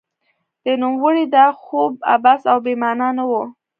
د نوموړي دا خوب عبث او بې مانا نه و.